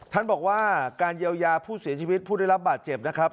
ท่านบอกว่าการเยียวยาผู้เสียชีวิตผู้ได้รับบาดเจ็บนะครับ